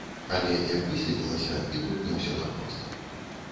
Але як высветлілася, і тут не ўсё так проста.